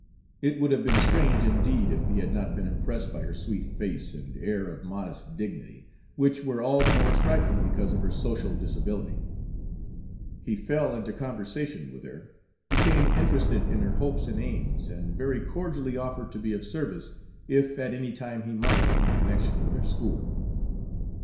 It would have been strange, indeed, if he had not been impressed by her sweet face and air of modest dignity, which were all the more striking because of her social disability. He fell into conversation with her, became interested in her hopes and aims, and very cordially offered to be of service, if at any time he might, in connection with her school.